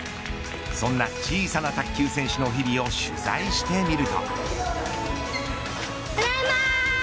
そんな小さな卓球選手の日々を取材してみると。